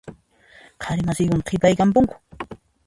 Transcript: Qhari masiykuna qhipayamunku.